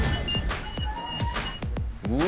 うわ！